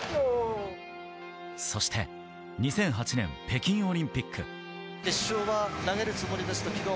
そして、２００８年、北京オリンピック。